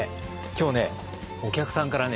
今日ねお客さんからね